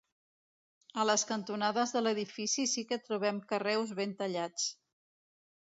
A les cantonades de l'edifici sí que trobem carreus ben tallats.